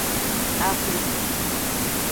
Axwevi.